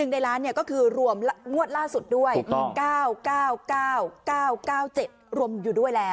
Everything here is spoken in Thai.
ในล้านก็คือรวมงวดล่าสุดด้วย๙๙๙๙๙๗รวมอยู่ด้วยแล้ว